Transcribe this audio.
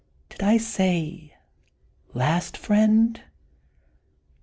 Did I say last friend?